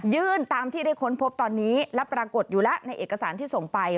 ตามที่ได้ค้นพบตอนนี้และปรากฏอยู่แล้วในเอกสารที่ส่งไป